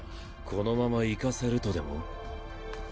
このまま行かせるとでも？